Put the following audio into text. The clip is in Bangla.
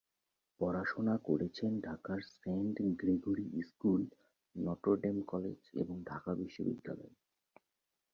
পড়াশোনা করেছেন ঢাকার saint Gregory school, Notre Dame college এবং ঢাকা বিশ্ববিদ্যালয়ে।